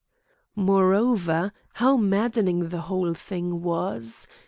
Moreover, how maddening the whole thing was!